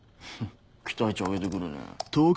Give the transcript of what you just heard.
期待値上げてくるね。